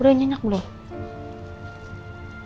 udah nyenyak belum